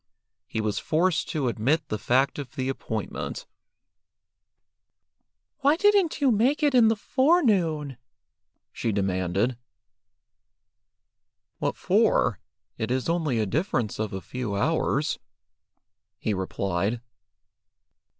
He was forced to admit the fact of the appointment. "Why didn't you make it in the forenoon?" she demanded. "What for? It is only a difference of a few hours," he replied.